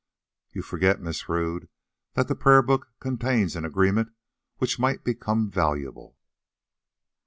"You forget, Miss Rodd, that the prayer book contains an agreement which might become valuable."